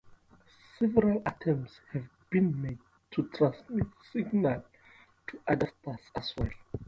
Several attempts have been made to transmit signals to other stars as well.